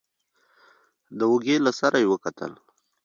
د اوږې له سره يې وکتل.